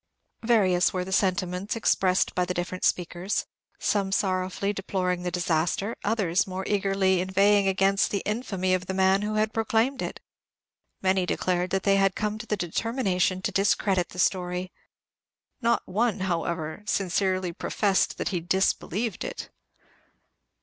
Various were the sentiments expressed by the different speakers, some sorrowfully deploring the disaster; others more eagerly inveighing against the infamy of the man who had proclaimed it. Many declared that they had come to the determination to discredit the story. Not one, however, sincerely professed that he disbelieved it.